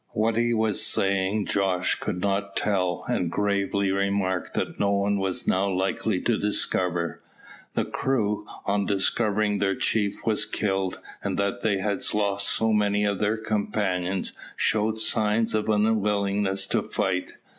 What he was saying Jos could not tell, and gravely remarked that no one was now likely to discover. The crew, on discovering that their chief was killed, and that they had lost so many of their companions, showed signs of unwillingness to fight.